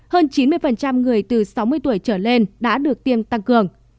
hơn chín mươi người từ sáu mươi tuổi trở lên đã được tiêm tăng cường